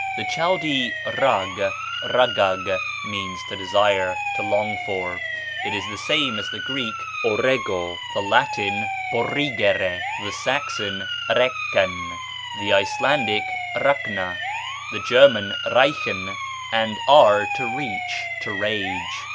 The Chaldee rag, ragag, means to desire, to long for; it is the same as the Greek oregw, the Latin porrigere, the Saxon roeccan, the Icelandic rakna, the German reichen, and our to reach, to rage.